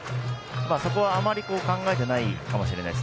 そこは、あまり考えていないかもしれないです。